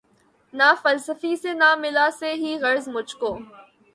نہ فلسفی سے نہ ملا سے ہے غرض مجھ کو